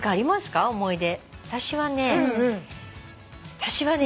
私はね